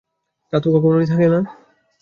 তা তো কখনোই থাকে না!